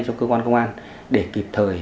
cho cơ quan công an để kịp thời